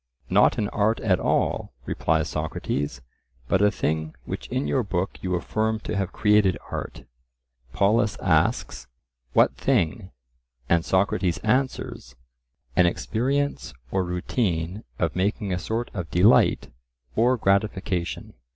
Not an art at all, replies Socrates, but a thing which in your book you affirm to have created art. Polus asks, "What thing?" and Socrates answers, An experience or routine of making a sort of delight or gratification.